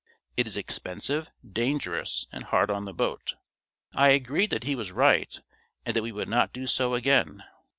It is expensive, dangerous and hard on the boat." I agreed that he was right and that we would not do so again.